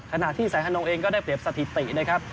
ขณะที่สายฮานงเองก็ได้เปรียบสถิตินะครับ